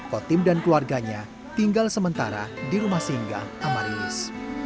kotim dan keluarganya tinggal sementara di rumah singgah amarilis